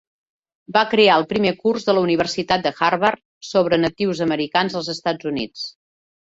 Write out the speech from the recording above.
Va crear el primer curs de la Universitat de Harvard sobre natius americans als Estats Units.